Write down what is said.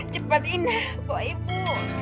cepat ina bawa ibu